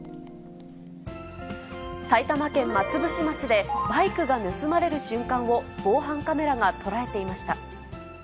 埼玉県松伏町で、バイクが盗まれる瞬間を、防犯カメラが捉えていました。